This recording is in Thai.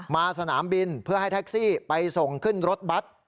สนามบินเพื่อให้แท็กซี่ไปส่งขึ้นรถบัตร